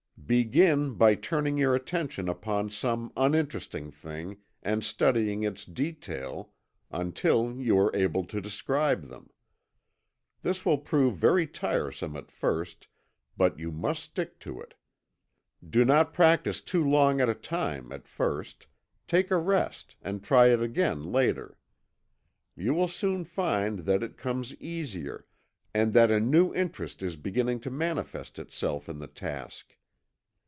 Begin by turning your attention upon some uninteresting thing and studying its details until you are able to describe them. This will prove very tiresome at first but you must stick to it. Do not practice too long at a time at first; take a rest and try it again later. You will soon find that it comes easier, and that a new interest is beginning to manifest itself in the task.